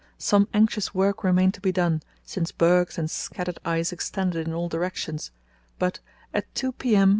Some anxious work remained to be done, since bergs and scattered ice extended in all directions, but at 2 p.m.